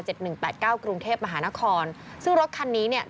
หนึ่งแปดเก้ากรุงเทพมหานครซึ่งรถคันนี้เนี่ย